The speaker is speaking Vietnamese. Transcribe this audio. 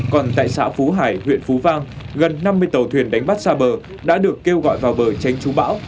còn tại xã phú hải huyện phú vang gần năm mươi tàu thuyền đánh bắt xa bờ đã được kêu gọi vào bờ tránh trú bão